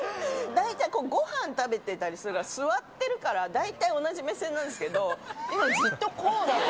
大体、ごはん食べてたりすると座ってるから、大体同じ目線なんですけど、今、ずっとこう。